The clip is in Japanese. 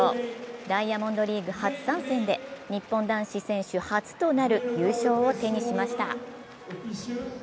ダイヤモンドリーグ初参戦で日本男子選手初となる優勝を手にしました。